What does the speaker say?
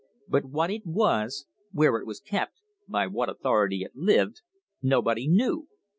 But what it was, where it was kept, by what authority it lived, nobody knew.